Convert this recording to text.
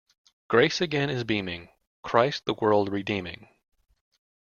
Grace again is beaming; Christ the world redeeming.